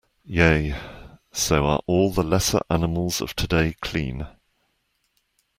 Yea, so are all the lesser animals of today clean.